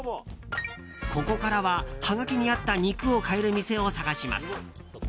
ここからは、はがきにあった肉を買える店を探します。